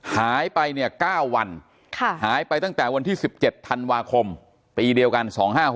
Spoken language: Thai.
หายไปเนี่ย๙วันหายไปตั้งแต่วันที่๑๗ธันวาคมปีเดียวกัน๒๕๖๖